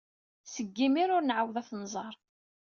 Seg yimir ur nɛawed ad t-nẓer.